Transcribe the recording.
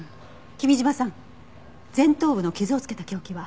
君嶋さん前頭部の傷を付けた凶器は？